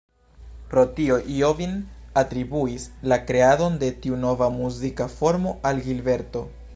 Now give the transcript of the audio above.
Pro tio, Jobim atribuis la kreadon de tiu nova muzika formo al Gilberto.